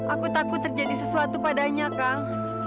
aku takut terjadi sesuatu padanya kang